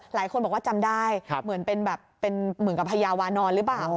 หลายคนบอกว่าจำได้เหมือนกับพญาวานอนหรือเปล่า